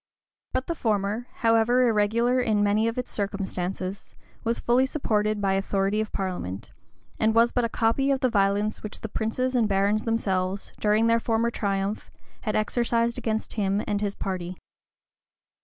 But the former, however irregular in many of its circumstances, was fully supported by authority of parliament, and was but a copy of the violence which the princes and barons themselves, during their former triumph, had exercised against him and his party.